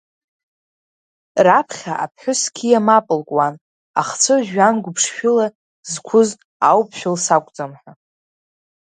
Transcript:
Раԥхьа аԥҳәыс қьиа мап лкуан, ахцәы жәҩангәыԥшшәыла зқәыз Ауԥшәыл сакәӡам ҳәа.